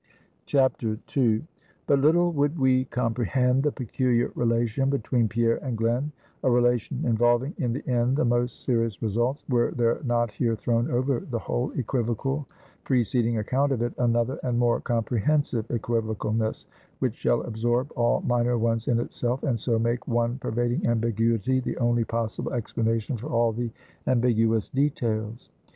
II. But little would we comprehend the peculiar relation between Pierre and Glen a relation involving in the end the most serious results were there not here thrown over the whole equivocal, preceding account of it, another and more comprehensive equivocalness, which shall absorb all minor ones in itself; and so make one pervading ambiguity the only possible explanation for all the ambiguous details.